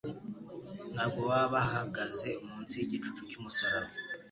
Ntabwo baba bahagaze munsi y'igicucu cy'umusaraba,